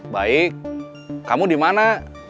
baik kamu di mana